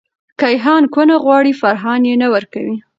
کیهان کونه غواړې.فرحان یی نه ورکوې